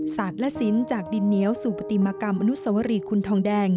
และศิลป์จากดินเหนียวสู่ปฏิมากรรมอนุสวรีคุณทองแดง